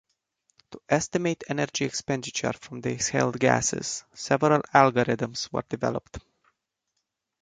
To estimate energy expenditure from the exhaled gases, several algorithms were developed.